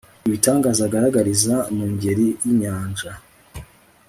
ibitangaza agaragariza mu ngeri y'inyanja